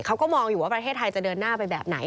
เขาก็มองอยู่ว่าประเทศไทยจะเดินหน้าไปแบบไหน